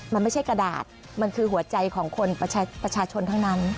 มันไม่ใช่กระดาษมันคือหัวใจของคนประชาชนทั้งนั้น